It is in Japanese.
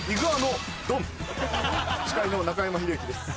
司会の中山秀征です。